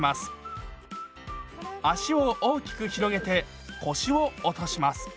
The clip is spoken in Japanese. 足を大きく広げて腰を落とします。